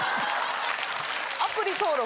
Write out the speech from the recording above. アプリ登録。